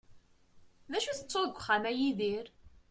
D acu i tettuḍ deg wexxam, a Yidir?